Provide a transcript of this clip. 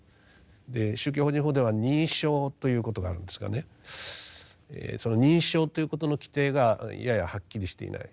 で宗教法人法では認証ということがあるんですがねその認証ということの規定がややはっきりしていない。